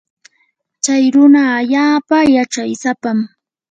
chay runa allaapa yachaysapam.